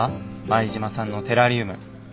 前島さんのテラリウム。